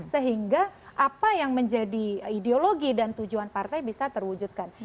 sehingga apa yang menjadi ideologi dan tujuan partai bisa terwujudkan